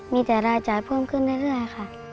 มีแต่รายจ่ายเพิ่มขึ้นเรื่อยค่ะ